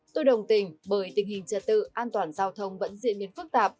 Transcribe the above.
tôi đồng tình bởi tình hình trật tự an toàn giao thông vẫn diễn biến phức tạp